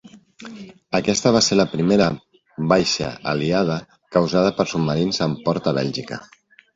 Aquesta va ser la primera baixa aliada causada per submarins amb port a Bèlgica.